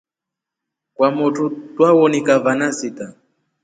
Kwamotru twawonika vana sita.